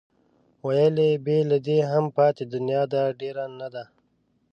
ویل یې بې له دې هم پاتې دنیا ده ډېره نه ده.